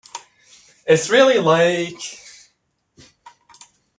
It's really like ...